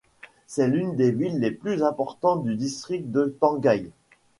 C'est l'une des villes les plus importantes du district de Tangail.